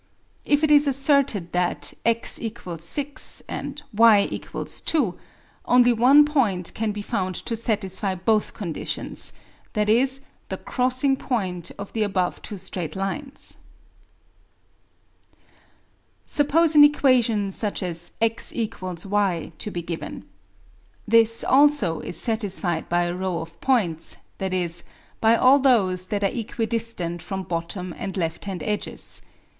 If it is asserted that x = 6 and y = 2, only one point can be found to satisfy both conditions, viz. the crossing point of the above two straight lines. Suppose an equation such as x = y to be given. This also is satisfied by a row of points, viz. by all those that are equidistant from bottom and left hand edges.